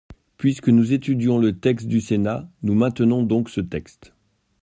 Puisque nous étudions le texte du Sénat, nous maintenons donc ce texte.